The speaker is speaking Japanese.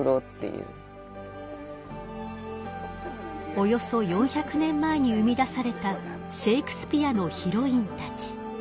およそ４００年前に生み出されたシェイクスピアのヒロインたち。